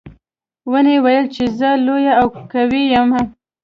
ونې ویل چې زه لویه او قوي یم.